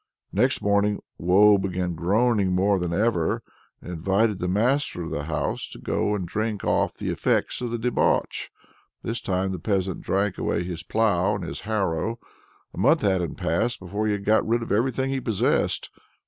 Next morning Woe began groaning more than ever, and invited the master of the house to go and drink off the effects of the debauch. This time the peasant drank away his plough and his harrow. A month hadn't passed before he had got rid of everything he possessed.